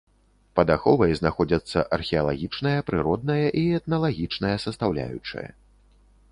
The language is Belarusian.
Пад аховай знаходзяцца археалагічная, прыродная і этналагічная састаўляючая.